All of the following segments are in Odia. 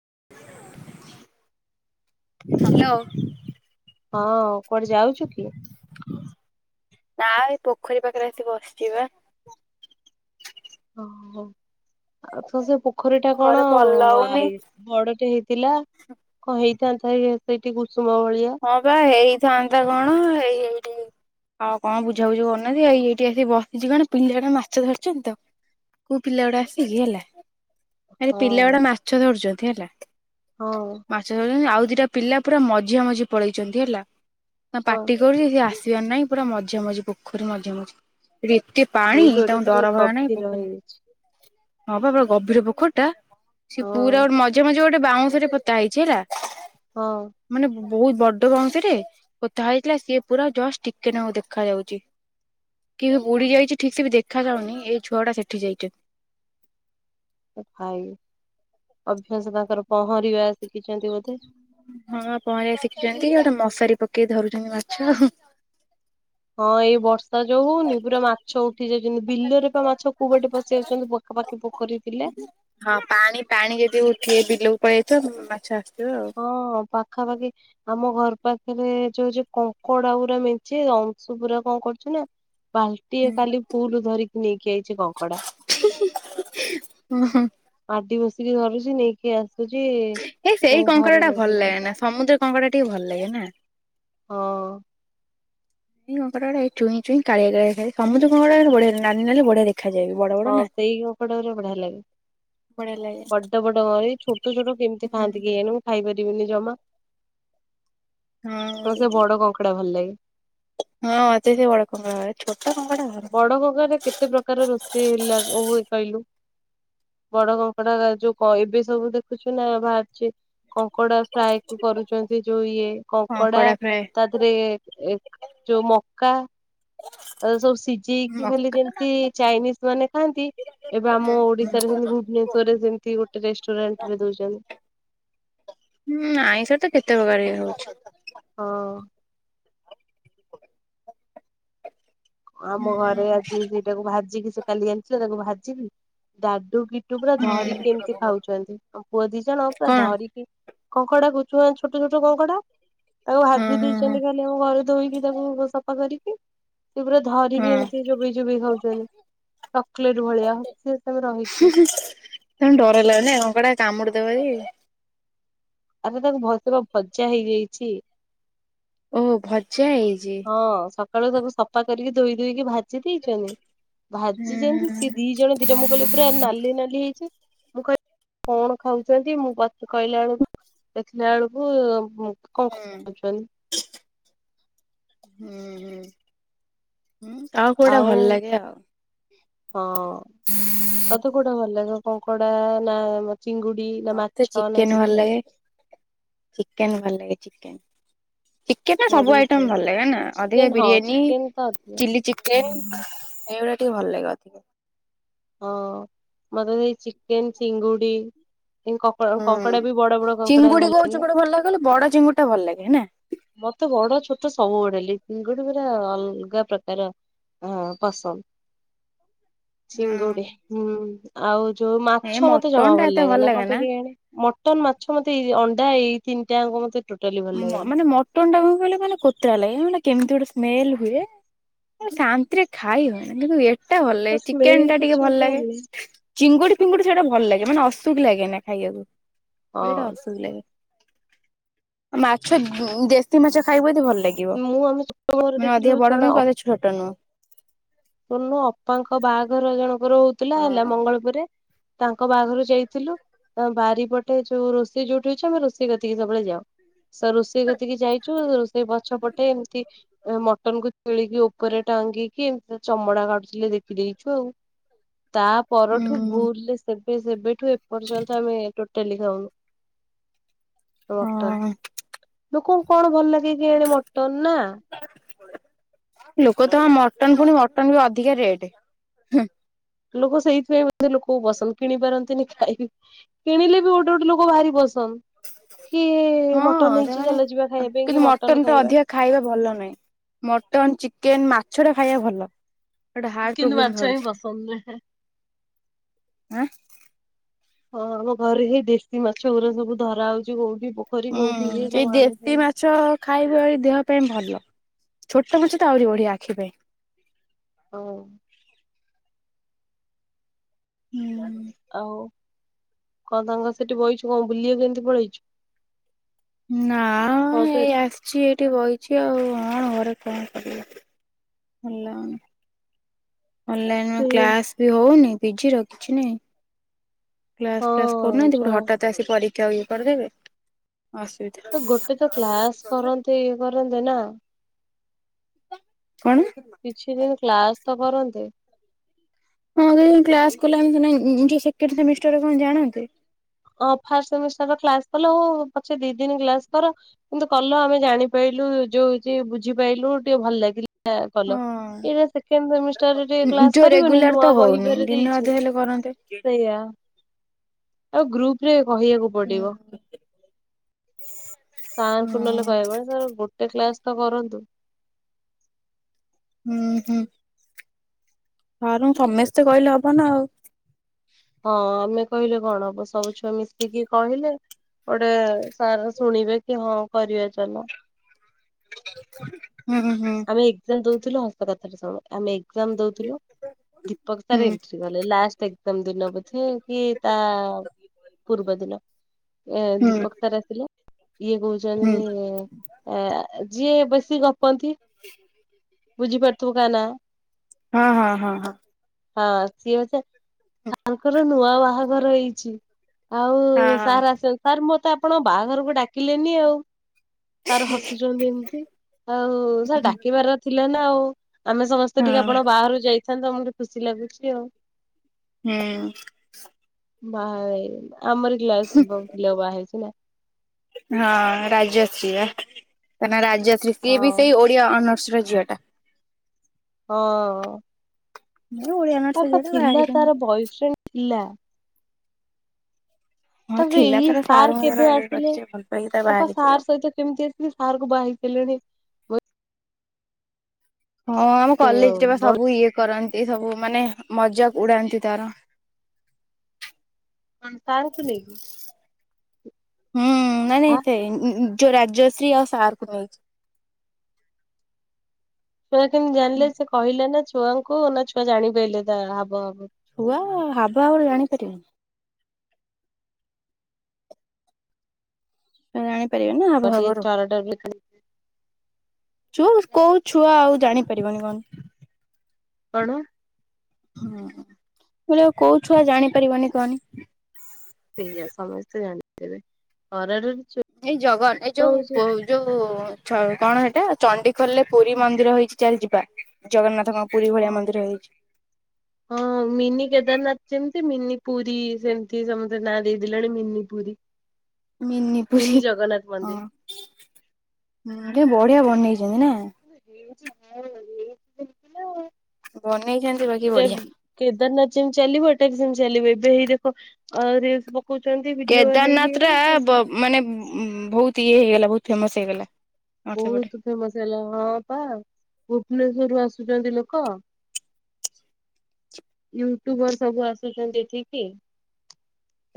ହ୍ୟାଲୋ ହଁ କୁଆଡେ ଯାଉଚୁ କି? ନା ଏଇ ପୋଖରୀ ପାଖରେ ଆସିି ବସିଚିବା। ଓ ହୋ ଆଉ ତ ସେ ପୋଖରୀ ଟା କଣ ଘରେ ଭଲ ଲାଗୁନି ଏ ବଡଟେ ହେଇଥିଲା କଣ ହେଇଥାନ୍ତା ଏ ସେଇଠି କୁସୁମ ଭଳିଆ ହଁ ବା ହେଇଥାନ୍ତା କଣ ହେଇ ହେଇ ଆଉ କଣ ବୁଝାବୁଝି କରୁନାହାନ୍ତି ଆ ଏଇଠି ଆସିିକି ବସିଛି କଣ ପିଲାଡ଼ା ମାଛ ଧରିଛନ୍ତି ତ କୋଉ ପିଲାଗୁଡା ଆସିକି ହେଲା ଆରେ ପିଲା ହଁ ଗୁଡା ମାଛ ଧରୁଛନ୍ତି ହେଲା ହଁ ମାଛ ଧରୁଛନ୍ତି ଆଉ ଦିଟା ପିଲା ପୁରା ମଝିଆ ମଝି ପଳେଇଛନ୍ତି ହେଲା ତା ହଁ ପାଟି କରୁଛି ସେ ଆସ ବାର ନାହିଁ ପୁରା ମଝିଆ ମଝି ପୋଖରୀ ମଝିଆ ମଝି ଏଠି ଏତେ ପାଣି ହେଇଲୋ ଏଇଟା ତାଙ୍କୁ ପୁରା ଡର ଭୟ ନାହିଁ ଗଭୀର ପୋଖରୀ ହେଇଯାଇଛି ହଁ ପା ପୁରା ଗଭୀର ପୋଖରୀ ଟା ସିଏ ପୁରା ହଁ ଗୋଟେ ମଝିଆ ମଝି ଗୋଟେ ବାଉଁଶଟେ ପୋତା ହେଇଛି ହେଲା ହୋଇ ମାନେ ବହୁତ ବଡ ବଉଁଶଟେ ପୋତା ହେଇଥିଲା ସିଏ ପୁରା ଜଷ୍ଟ ଟିକେ ନାକୁ ଦେଖା ଯାଉଛି। କି ବୁଡି ଯାଇଛି ଠିକ ସେ ବି ଦେଖା ଯାଉନି ଏଇ ଛୁଆ ଗୁଡା ସେଠି ଯାଇଛ ଭାଇ ଅଭ୍ୟାସ ପାଖରେ ପହଁରିବା ଶିଖିଛନ୍ତି ବୋଧେ ହଁ ପହଁରିବା ଶିଖିଛନ୍ତି ଗୋଟେ ମଶାରୀ ପେଇ। କିଏ ଧରୁଛନ୍ତି ମାଛ ଆଉ। ହଁ ଏଇ ବର୍ଷ। ଯଉନି ପୁରା ମାଛ ଉଠି ଯାଇଛନ୍ତି ବିଲରେ ବା ମାଛ କୋଉ ବାଟେ ପଶି ଆସଛନ୍ତି ପାଖାପାଖି ପୋଖରୀ ଥିଲେ। ହଁ ପାଣି ପାଣି ଯଦି ଉଠିବେ ବିଲକୁ ପଳେଇ ଯାଇଥିବ ମାଛ। ଆସିଥିବ ଆଉ। ହଁ ପାଖାପାଖି। ଆମ ଘର ପାଖରେ ଯୋଉ ଯୋଉ କଙ୍କଡା ପୁରା ମିଞ୍ଚି ଅଂଶୁ ପୁରା କଣ କରୁଛୁ ନା। ବାଲଟିଏ କାଲି ଫୁଲ ଧରିକି ନେଇକି ଯଇଛି କଙ୍କଡା। ହ ହ। ମାଟି ବସିକି ଧରୁଛି ନେଇକି ଆସୁଛି। କଙ୍କଡ଼ା ଟା ଘରେ ଡ଼ଭଲ ରଖିଛି ଲାଗେ ନା ସମୁଦ୍ର କଙ୍କଡ଼ାଟିିକ ବି ଭଲ ଲାଗେ ନା। ହଁ। ଙ୍କେ ଚୁଇଁ କାଆ ସମୁଦଙ୍କ ବାନେ ବଢେଇ। ହଁ ସେଇ ଅପଟ ବଢିଆ ଲାଗେ। ବଢିଆ ଲାଗେ ବଡ କରେ ଛୋଟ ଛୋଟ କେମିତି ହୁଁ ଖାଆନ୍ତି କି ଏଣୁ ମୁ ଖାଇପାରି। ଜମା ହଁ। ତ ସେ ବଡ କଙ୍କଡା ଭଲ ଲାଗେ। ହଁ ଅତ ସେଳକଛଟ। ବଡ କଙ୍ଗରେ କେତେ ପ୍ରକାର ରୋଷେଇ ହେଲାଏ କହିଲୁ। ବଡ କଙ୍କଡା ଯୋଉ ଏବେ ସବୁ ଦେଖୁଛୁ ନା ବାହାରିଛି।। କଙ୍କଡା ଫ୍ରାଏ କରୁଛନ୍ତି ଯୋଉ ହଁ କଙ୍କଡା କଡା ଫ୍ରାଏ ତା ଦେହରେ। ଯୋଉ ମୌକା ଆସ। ସିଝେଇକି ଖଲି ମକା ଯେମତି ଚାଇନିଜ ମାନେ ଖାଆନ୍ତି। ଏବେ ଆମ ଓଡିଶାରେ ସେମ ଭୁବନେଶ୍ୱରରେ ସେମତି ଗୋଟେ ରେଷ୍ଟୁରାଣ୍ଟ ରେ ଦଉଛନ୍ତି। ଆଇଁଷ ତ କେତେ ପ୍ରକାର ହଉଛି। ହଁ। ଆମ ହୁଁ ଘରେ ଆସି ସେଇଟାକୁ ଭାଜିକି ସେ କାଲି ଆଣିିଲ ତାକୁ ଭାଜିଲି ଡାଡୁ କି। ପୁରା ଧରିକି ହୁଁ ଏମିତି ଖାଉଛନ୍ତି ଆଉ ପୁଅ ଦିଜଣ ପୁରା କଣ ଧରିକି। କଙ୍କଡା କୁଛି ଛୋଟ ଛୋଟ କଙ୍କଡା। ତାକୁ ହଁ ହାଜି ହଁ ହଁ ଦେଇଛନ୍ତି ଖାଲି ଆମ ଘରେ ଧୋଇକି ତାକୁ ସଫା କରି। ସେ ପୁରା ଧରିକି ହଁ ଏମିତି ଚୋବେଇ ଚୋବାଇ ଖାଉଛନ୍ତି। ଚକୋଲେଟ ଭଳିଆ ହସି ସବୁ ରହିଛୁ। ତମେ ଡର ହେଲା କଡା କାମୁଡିଦବ। ଆରେ ତାକୁ ଭସ ଭଜା ହେଇଯାଇଛି। ଓ ଭତ। ହଁ ସକାଳୁ ସବୁ ସଫା କରିକି ଧୋଇ ଦୋଇକି ଭାଜି ଦେଇଛନ୍ତି। ହୁଁ ଭାଜି ଯେମିତି ହୁଁ ଜଣ ଦଟ ମୁଁ କହିଲି ପୁରା ନାଲି ନାଲି ହେଇଛି ମୁଁ କହିଲି। କଣ ଖାଉଛନ୍ତି ମୁଁ କହିଲା ବେଳକୁ ଦେଖିଲା ବେଳକୁ। କଣ କଣ କହୁନ୍। ହୁଁ ଆଉ କୋଉଟା ଭଲ ଲାଗେ ଆଉ। ହଁ ତତେ କୋଉଟା ଭଲ ଲାଗିବ କଙ୍କଡା। ଚିଙ୍ଗୁଡି ନା ମାଛ ମତେ ନା ଚିକେନ ଭଲ ଲାଗେ ଚିକେନ ଭଲ ଲାଗେନି। ଚିକେନ ମୋର ସବୁ ବି ଆଇଟମ ସେୟା। ଭଲ ନା ଅଧିକା ଚିକେନ ହଁ ବିରିୟାନୀ ଚିକେନ ତ ଅଧିକ ଚି ଚିକେନ। ଏଇଗଟା ଟିକେ ଭଲ ଲାଗେ ଅଧିକ। ହଁ ମତ ସେ ଚିକନ୍ ଚିଙ୍ଗୁଡ଼ି। ହୁଁ କଙ୍କଡା ବି ବଡ ବଡ କଙ୍କଡା ଚିଙ୍ଗୁଡି ଭଲ କୋଉ ଲାଗେ। ଚିଙ୍ଗୁଡି ଭଲ କହିଲୁ ବଡ ଚିଙ୍ଗୁଡି ଟା ଭଲ ଲାଗେ ନା। ମତେ ବଡ ଛୋଟ ସବୁବେଡେ। ପିଙ୍ଗୁଡି ପରା ଅଲଗା ପ୍ରକାର ପସନ୍ଦ। ଶିଙ୍ଗୁଡ଼ି ହୁଁ ହଉ। ଯୋଉ ଏ ମାଛ ମତେ ଜମା ମଟନ ଟା ଭଲ ଏତେ ଲାଗେ ନା। କଣ ପାଇଁ କେଆଣି ମଟନ୍ ମାଛ ମତେ ଏ ଅ ଏଇ ତିନିଟାଙ୍କ ମତେ ଟୋଟାଲି ଭଲ ଲାଗେନା। ତିନିଟାଙ୍କୁ କହିଲା ମାନେ କୋତରା ଲାଗେ ମାନେ କେମିତି ଗୋଟେ ସ୍ମେଲ ହୁଏ। ଶାନ୍ତିରେ ଖାଇ ହୁଏନି। କିନ୍ତୁ ଏ ସେଟା ଭଲ ତା ଲାଗେ ସ୍ମେଲ ଚିକେନ ଟା ଟିକେ କିଛି ଭଲ ଲାଗେ। ଜାଣିନି ଚିଙ୍ଗୁଡି ଫିଙ୍ଗୁଡି ସେଇଟା ଭଲ ଲାଗେ। ଏ ମାନେ ଅସୁକ ଲାଗେ ନା ଖାଇବାକୁ ହଁ ସେଟା ଅସୁଖ ଲାଗେ। ମାଛ ଉଁ ଦେଶୀ ମାଛ ଖାଇବୁ ଯଦି ଭଲ। ଲାଗିବ ମୁଁ ଆମେ ଛୋଟ ବେଳରେ ମାନେ ଦେଖିଲୁ ଅଧିକ ବଡ ନୁହେଁ କି ଅଧିକ ଛୋଟ ନୁହଁ। ଶୁଣୁନୁ ଅପାଙ୍କ ବାହାଘର ଜଣଙ୍କର ହଉଥିଲା ହେଲା ମଙ୍ଗଳପୁରରେ। ତାଙ୍କ ବାହାଘର ଯାଇଥିଲୁ। ତ ବାରିପଟେ ଯୋଉ ରୋଷେଇ ଯୋଉଠି ହଉଛି। ଆମେ ରୋଷେଇ କତିକି ସବୁବେଳେ ଯାଉ। ସେ ରୋଷେଇ କତିକି ଯାଇଚୁ। ରୋଷେଇ ପଛ ପ ଟେ ଏମତି ମଟନକୁ ତିଳିକି ଉପରେ ଟାଙ୍ଗିକି ଚମଡା କାଟୁଥିଲେ ଦେଖିଦେଇଚୁ। ଆଉ ତା ପରଠୁ ହୁଁ ଭୁଲରେ ସେ ସେବେଠୁ ଏପର୍ଯ୍ୟନ୍ତ ଆମେ ଟୋଟାଲି ଖାଉନୁ। ମଟନ ହଁ ଲୋକଙ୍କୁ କଣ ଭଲ ଲାଗେ କେଇଆଣି ମଟନ ନା। ଲୋକ ତ ମଟନ ପୁଣି ମଟନ ବି ଅଧିକା ରେଟ ହେଁ। ଲୋକ ସେଇଥିପାଇଁ ବୋଧେ ଲୋକ ବସନ୍ଦ। କିଣି ପାରନ୍ତିନି। ଖାଇ କିଣିଲେ ବି ଗୋଟେ ଗୋଟେ ଲୋକ ଭାରି ବ ହମ ହଁ ସିଏ ମାନେ ଖାଇବା ପାଇଁ କି କିନ୍ତୁ ମଟନ ଟା ଅଧିକା ଖାଇବା ଭଲ ନୁହେଁ। ମଟନ ଚିକେନ ମାଛ ଟା ଖାଇବା ଭଲ। ଏଟା ହାର୍ଟ କିନ୍ତୁ ପ୍ରୋବଲେମ ମାଛ ହିଁ ଧରିଛି। ପସନ୍ଦ ନୁହେଁ। ଆଁ। ହଁ ଆମ ଘରେ ଯାଇ ଦେଶୀ ମାଛ ଗୁରା ସବୁ ଧରା ହଉଛି କଉଠି? ହୁଁ ସେଇ ଦେଶୀ ମାଛ ଖାଇବା ହିଁ ଦେହ ପାଇଁ ଭଲ। ଛୋଟ ମାଛ ତ ଆହୁରି ବଢିଆ ଆଖି ପାଇଁ। ହ। ହୁଁ। ଆଉ କଣ ତାଙ୍କ ସେଠି ବଇଚୁ କଣ ବୁଲିଆକୁ ଏମିତି ପଳେଇଚୁ। ନା ଏଇ ଆସିଚି ଏ ଏଇଠି ବଇଚି ଆଉ କଣ ଘରେ କଣ କରିବି ଭଲ ଲାଗୁନି। ଅନଲାଇନ ଏତେ କ୍ଲାସ ବି ହଉନି ପିଜି ର କିଛି ନାହିଁ। ହଁ କ୍ଲାସ ଫ୍ଲାସ କରୁନୁ ଏମିତି ଯା ଗୋଟେ ହଠାତ୍ ଆସି ପରୀକ୍ଷା ଇଏ କରିଦେବେ। ଅସୁବିଧା ତ ଗୋଟେ ତ କ୍ଲାସ କରନ୍ତେ ଇଏ କରନ୍ତେ ନା। କଣ କିଛି ଦିନି କ୍ଲାସ ତ କରନ୍ତେ। ହଁ [unintelligible] କଣ ଜାଣନ୍ତେ।। ହଁ ଫାଷ୍ଟ ସେମିଷ୍ଟାର ର କ୍ଲାସ କଲ। ପଛେ ଦି ଦିନ କ୍ଲାସ କର କିନ୍ତୁ କଲ ଆମେ ଜାଣି ପାଇ ଲୁ ଯୋଉ ଯିଏ ବୁଝି ପାଇଲୁ ଟିକେ ଭଲଲାଗି କଲ ହଁ ଏଇଟା ସେକେଣ୍ଡ ସେମିଷ୍ଟାରରେ ଟିକେ କ୍ଲାସ ଯୋଉ କରିବନି। ନୂଆ ବହି ଫେରେ ଦେଇଚି। ଆଙ୍କେ କେଡେ କେଡେ। ଆଉ ଗ୍ରୁପ ରେ କହିଆକୁ ପଡିବ। ହଁ ସାରଙ୍କୁ ନହେଲେ କହିବ ସାର୍ ଗୋଟେ କ୍ଲାସ ତ କରନ୍ତୁ। ଉଁ ହୁଁ। ସାରୁଙ୍କୁ ସମସ୍ତେ କହିଲେ ହବ ନା ଆଉ। ହଁ ଆମେ କହିଲେ କଣ ହବ। ସବୁ ଛୁଆ ମିଶିକି କହିଲେ? ଗୋଟେ ସାର୍ ଶୁଣିବେ କି ହଁ କରିବା ଚାଲ। ହୁଁ ହୁଁ ଆମେ ଏଗଜାମ ଦଉଥିଲୁ ହସ କଥାଟେ ଶୁଣ। ଆମେ ଏଗଜାମ ଦଉଥୁଲୁ ଦୀପକ ହୁଁ ସାର ଏନଟିରି କଲେ ଲାଆଷଟ ଏଗଜାମ ଦିନ। ବୋଧେ କି ତା ପୂର୍ବ ଦିନ। ଏ ହୁଁ। ଦୀପକ ସାର୍ ଆସିଲେ। ଇଏ କହୁଛନ୍ତି ଏ ଯିଏ ବେଶ ଶୀ ଗପନ୍ତି ବୁଝି ପାରୁଥୁବ କା ନାଁ? ହୁଁ ହଁ ହଁ ହଁ ହଁ ହଁ ସିଏ ଅଛ, ସାର୍ ଙ୍କର ନୂଆ ବାହାଘର ହେଇଛି। ହଁ ଆଉ ହଁ। ସାର୍ ଆସ, ସାର୍ ମୋତେ ଆପଣଙ୍କ ବାହାଘରକୁ ଡାକିଲେନି ଆଉ। ସାର୍ ହସୁଛନ୍ତି ଏମିତି। ଆଉ ସାର୍ ଡାକିବାର ଥିଲା ନା ଆଉ। ଆମେ ସମସ୍ତେ ଟିକେ ହଁ ଆପଣ ବାହାଘରକୁ ଯାଇଥାନ୍ତ। ଆମକୁ ଯୋଉ ଖୁସି ଲାଗୁଛି ଆଉ। ହଁ। ବାହା ହେଇଗଲା। ହୁଁ, ହଁ ରାଜଶ୍ରୀ ବା। ତା ନାଁ ରାଜଶ୍ରୀ ସିଏ ହଁ ବି ସେଇ ଓଡିଆ ଅନର୍ସର ଝିଅଟା। ହଁ। ଏ ଓଡିଆ ଅନର୍ସ ହଁ ପା ଝିଅ ଟା ବାହା ଥିଲା ହେଇଛନ୍ତି। ତାର ବୟଫ୍ରେଣ୍ଡ ଥିଲା। ହଁ ତାପରେ ଥିଲା ଏଇ ତାର ସାର୍ ସାରଙ୍କୁ ତାର କେବେ ଇଏ ଆସିଲେ କରିଛି ଭଲ ପାଇକି ତାର ବାହା ତାଙ୍କ ହେଇଛି ଆଉ। ସାର୍ ସହିତ କେମିତି ଆସିଲେ। ସାର୍ କୁ ବାହା ହେଇଗଲେଣି। ହଁ ଆମ କଲେଜ୍ ରେ ବା ସବୁ ଇଏ କରନ୍ ଏ ସବୁ ମାନେ ମଜାକ୍ ଉଡାନ୍ତି ତାର। କଣ ସାର୍ କୁ ନେଇକି? ହୁଁ, ନାଇଁ ନାଇଁ ସେ ଉଁ, ଉଁ, ଯୋଉ ରାଜଶ୍ରୀ ଆଉ ସାର୍ କୁ ନେଇ। ଛୁଆ କେମିତି ଜାଣିଲେ? ସେ କହିଲା ନା ଛୁଆଙ୍କୁ ନା ଛୁଆ ଜାଣି ପାଇଲେ ତା ହାବ ଭାବ ଛୁଆ ହାବ ଭାବରୁ ଜାଣିପାରିବେନି। ତ ଜାଣି ପାରିବେ ନା ଆ ହାବ ଭାବ ଟିକେ ରୁ। ଥରଟା ଛୁଆକୁ କୋଉ ଛୁଆ ଆଉ ଜାଣିପାରିବନି କହନି। କଣ? ହଁ, ମୁଁ କହିଲି ଆଉ କୋଉ ଛୁଆ ଜାଣିପାରିବନି କହନି? ସେଇଆ ସମସ୍ତେ ଜାଣିଦେବେ ଖରାର ଏଇ ଜଗନ ଏଇ ଯୋଉ ପ-ଯୋଉ ଛ- କଣ ସେଟା ଚଣ୍ଡିଖୋଲଲେ ପୁରୀ ମନ୍ଦିର ହୋଇଛି ଚାଲ ଯିବା। ଜଗନ୍ନାଥ ହଁ, ହଁ ମିନି କେଦାରନାଥ ଚିନ୍ ସେ ମିନି ପୁରୀ ସେମିତି ସମସ୍ତେ ନାଁ ଦେଇଦଲେଣି mini Puri. Mini mini Puri, Jagannath ହଁ, ମନ୍ଦିର। ହୁଁ, କେ ବଢିଆ ବନେଇ ଯିମିନା। ହଁ ଏଇ ଚାଲିଥିଲା। ବନେଇଛନ୍ତି ବାକି ବଢିଆ ଟେ-କେଦାରନାଥ ଯେମିତି ଚାଲିିବ ଏଟା ବି ସେମତି ଚାଲିିବେ। ଯେ ହେଇ ଦେଖ ଆ ରିଲସ୍ ପ କେଦାରନାଥ ଟା ବ- ମାନେ ଉଁ, ବହୁତ ଇଏ ହେଇଗଲା। ବହୁତ ଫେମସ୍ ହେଇଗଲା। ନର୍ଥ ସେପଟେ ବହୁତୁ ଫେମସ୍ ହେଲା। ହଁ ପା ଭୁବନେଶ୍ୱରରୁୁ ଆସ ଛନ୍ତି ଲୋକ। ୟୁଟ୍ୟୁବରୂ ସବୁ ଆସୁଛନ୍ତି ଏଠକିି।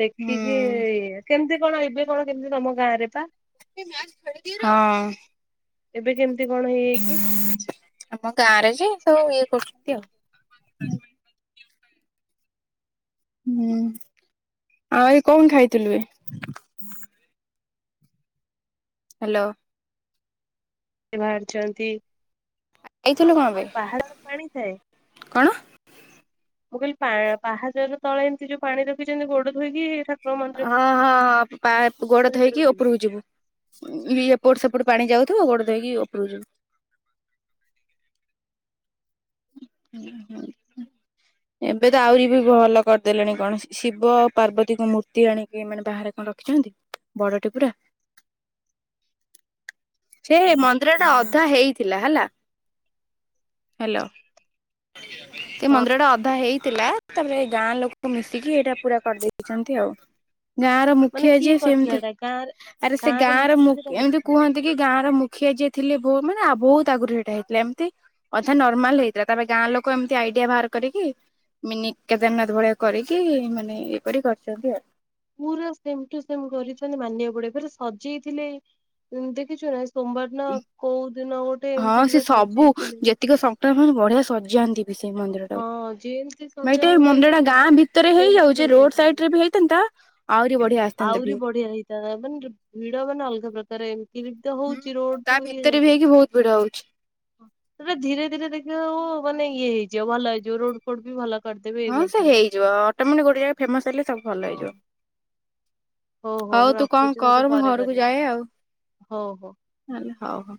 ଦେଖିକି ହୁଁ ଇଏ କେମିତି କଣ ଏବେ କଣ କେମିତି ତୋମ ଗାଁ ରେ ପା? ହଁ। ଏବେ କେମ ଆମ ଗାଁରେ ଯେ ସବୁ ଇଏ କରୁଛନ୍ତି ଆଉ। ହୁଁ, ଆଉ ଏ କଣ ଖାଇଥିଲୁ ବେ? ହାଲୋ‌। ବାହାରିଛନ୍ତି। ଖାଇଥିଲୁ କଣ ବେ? ଯୋଉ ପାହାଡର ପାଣି ଥାଏ କଣ? ମୁଁ କହିଲି ପା-ପାହାଚର ତଳେ ଏମିତି ଯୋଉ ପାଣି ରଖିଚନ୍ତି ଗୋଡ ଧୋଇକି ଠାକ ହଁ, ହଁ, ହଁ, ଗୋଡ ପା-ଧୋଇକି ଉପରକୁ ଯିବୁ। ଉଁ, ଇଏ ଏପଟ ସେପଟ ପାଣି ଯାଉଥୁବ ଗୋଡ ଧୋଇକି ଉପରକୁ ଯିବୁ। ହୁଁ ହୁଁ। ଏବେ ତ ଆହୁରି ବି ଭଲ କରିଦେଲେଣି କଣ, ଶିବ ପାର୍ବତୀଙ୍କ ମୂର୍ତ୍ତି ଆଣିକି ମାନେ ବାହାରେ କଣ ରଖିଛନ୍ତି। ବଡ଼ଟେ ପୁରା। ଛେ ମନ୍ଦିର ଟା ଅଧା ହେଇଥିଲା ହେଲା। ହାଲୋ। ସେ ହଁ ମନ୍ଦିର ଟା ଅଧା ହେଇଥିଲା। ତାପରେ ଗାଁ ଲୋକ ମିଶିକି, ଏଇଟା ପୁରା କରି ଦେଇଛନ୍ତି। ଆଉ ଗାଁ ର ମାନେ ମୁଖିଆ କିଏ ଯିଏ କରିଥିଲା ସେମ୍‌ତି, ଏଟା ଗାଁରେ ଆରେ ସେ ଗାଁ ରେ ଗାଁର ମିଶିକି ମୁ ସେଟା ଏମିତି କୁହ କରିଥିଲେ ଗାଁ ର ମୁଖିଆ ଯିଏ ଥିଲେ, ଭୋ ମାନେ ବହୁତ ଆଗୁରୁ ସେଇଟା ହେଇଥିଲା। ଏମ୍‌ତି ଅଧା ନର୍ମାଲ ହେଇଥିଲା। ତାପରେ ଗାଁ ଲୋକ ଲୋକ ଏମ୍ତି ଆଇଡିଆ ବାହାର କରିକି ମିନି କେଦାରନାଥ୍ ଭଳିଆ କରିକି, ମାନେ ଏଇପରି କରିଚନ୍ତି। ଆଉ ପୁରା ସେମ୍ ଟୁ ସେମ୍ କରିଛନ୍ତି, ମାନିବାକୁ ପଡ଼ିବ। ଫେର୍ ସଜେଇ ଥିଲେ। ଦେଖିଚ ନା? ସୋମବାର୍ ଦିନ, କଉ ଦିନ ଗୋଟେ? ଏମିତି ଗୋଟେ ସଜେଇ ଥିଲେ। ପା ହୁଁ! ବଢିଆ ସଜାନ୍ତି। ହଁ ଯେମିତି ସଜା ହୁଏ ମନ୍ଦିର ଟା ଗାଁ କେଦାରନାଥ ଭିତରେ ହେଇଯାଉଛି। ରୋଡ୍‌ ସାଇଟି ରେ ବି ହେଇଥାନ୍ତା। ଆହୁରି ବଢିଆ ଆସିଥାନ୍ତା ଆଉରି ଭିଉ। ବଢିଆ ହେଇଥାନ୍ତା। ମାନେ ଭିଡ ମାନେ ଅଲଗା ପ୍ରକାର ଏମିତି ବି ତ ହୁଁ! ହଉଛି ତା ରୋଡଠୁ ଇଏ ଭିତରେ ବି ଯାକେ। ହେଇକି ବହୁତ ଭିଡ ହଉ ସେଟା ଧୀରେ ଧୀରେ ଦେଖିବ ଆଉ, ମାନେ ଇଏ ହେଇଯିବ ଭଲ ହେଇଯିବ। ରୋଡ୍‌ ଫୋଡ୍‌ ବି ଭଲ କରିଦେବେ ଇଏ ହଁ ସେ କରିଦେବେ। ହେଇଯିବ, ଅଟୋମେଟିକ୍ ଗୋଟେ ଜାଗା ରେ ଫେମସ୍ ହେଲେ ସବୁ ଭଲ ହଁ ହେଇଯିବ। ହଉ ମୁଁ ତୁ କ'ଣ ରଖୁଛି ତତେ କର୍ ମୁଁ ପରେ ଘରକୁ କରିବି ଯାଏ। ହଉ ହଉ। ଆଉ ଆ ହଉ ହଉ